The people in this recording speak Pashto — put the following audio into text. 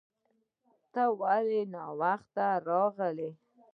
ته ولې ناوخته راغلې